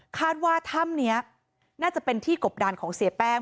คาดว่าถ้ำนี้น่าจะเป็นที่กบดานของเสียแป้ง